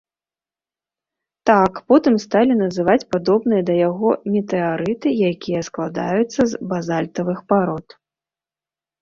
Так, потым сталі называць падобныя да яго метэарыты, якія складаюцца з базальтавых парод.